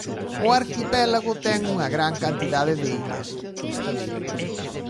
O arquipélago ten unha gran cantidade de illas.